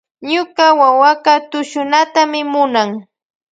Ñuka wawaka tushunatami munan.